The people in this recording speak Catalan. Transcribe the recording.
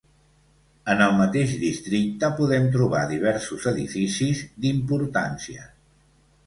En el mateix districte podem trobar diversos edificis d'importància.